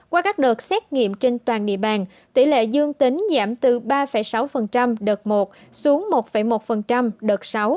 qua các đợt xét nghiệm trên toàn địa bàn tỷ lệ dương tính giảm từ ba sáu đợt một xuống một một đợt sáu